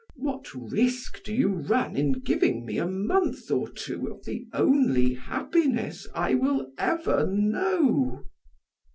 What risk do you run in giving me a month or two of the only happiness I will ever know?"